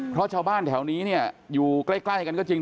เพราะชาวบ้านแถวนี้เนี่ยอยู่ใกล้กันก็จริง